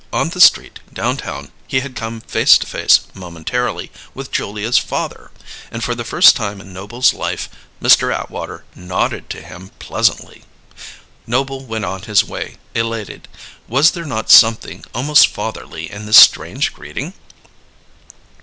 On the street, downtown, he had come face to face, momentarily, with Julia's father; and for the first time in Noble's life Mr. Atwater nodded to him pleasantly. Noble went on his way, elated. Was there not something almost fatherly in this strange greeting?